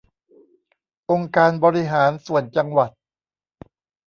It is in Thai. องค์การบริหารส่วนจังหวัด